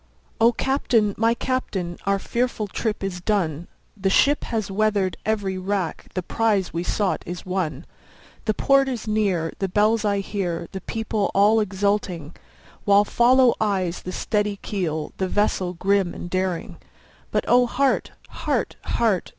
O CAPTAIN! my Captain! our fearful trip is done, The ship has weather'd every rack, the prize we sought is won, The port is near, the bells I hear, the people all exulting, While follow eyes the steady keel, the vessel grim and daring; But O heart! heart! heart!